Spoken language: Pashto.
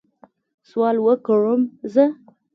سوال وکړم زه؟